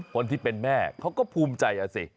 คนที่เป็นแม่เขาก็ภูมิใจอ่ะสิ